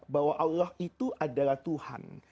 bahwa allah itu adalah tuhan